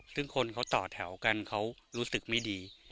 ซึ่งคนเขาต่อแถวกันเขารู้สึกไม่ดี